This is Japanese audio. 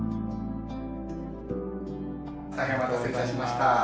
大変お待たせいたしました。